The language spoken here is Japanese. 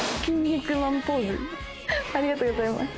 ありがとうございます。